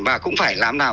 và cũng phải làm nào